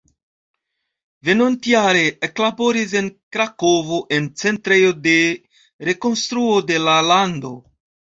Venontjare eklaboris en Krakovo en Centrejo de Rekonstruo de la Lando.